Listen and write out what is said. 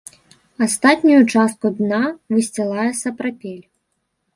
Астатнюю частку дна высцілае сапрапель.